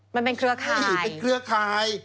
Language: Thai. มันเป็นเครือข่าย